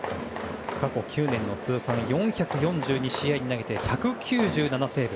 過去９年の通算４４２試合で投げて１９７セーブ。